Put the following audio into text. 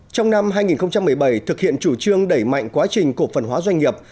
trong năm hai nghìn một mươi bảy thực hiện chủ trương đẩy mạnh quá trình cổ phần hóa doanh nghiệp